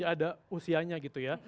jadi ada usianya gitu ya